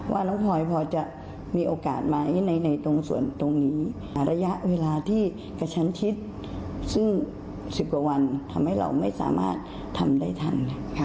ว่าน้องพลอยพอจะมีโอกาสไหมในตรงส่วนตรงนี้ระยะเวลาที่กระชั้นชิดซึ่ง๑๐กว่าวันทำให้เราไม่สามารถทำได้ทัน